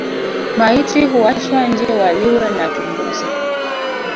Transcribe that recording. Maiti huachwa nje waliwe na tumbusi